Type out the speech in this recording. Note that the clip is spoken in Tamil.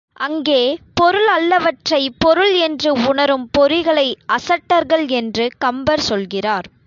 அங்கே பொருளல்ல வற்றைப் பொருள் என்று உணரும் பொறிகளை அசட்டர்கள் என்று கம்பர் சொல்கிறார்.